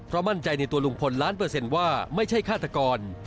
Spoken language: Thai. มั่นใจในตัวลุงพลล้านเปอร์เซ็นต์ว่าไม่ใช่ฆาตกร